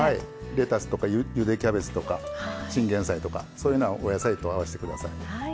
レタスとかゆでキャベツとかチンゲン菜とかそういうようなお野菜と合わしてください。